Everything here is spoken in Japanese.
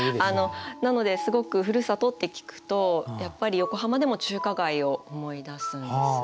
なのですごくふるさとって聞くとやっぱり横浜でも中華街を思い出すんです。